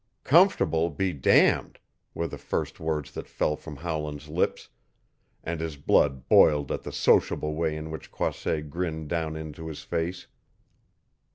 "Comfortable be damned!" were the first words that fell from Howland's lips, and his blood boiled at the sociable way in which Croisset grinned down into his face.